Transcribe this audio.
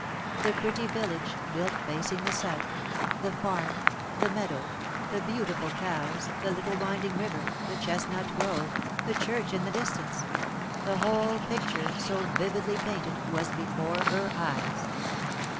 The pretty village, built facing the south, the farm, the meadow, the beautiful cows, the little winding river, the chestnut grove, the church in the distance, the whole picture, so vividly painted, was before her eyes.